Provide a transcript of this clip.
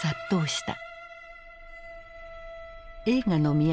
映画の都